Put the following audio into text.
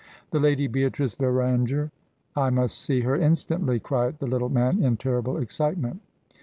"The lady Beatrice Varanger I must see her instantly!" cried the little man in terrible excitement.